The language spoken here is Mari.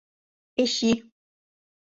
Эчи.